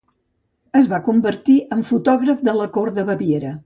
Es va convertir en fotògraf de la cort de Baviera.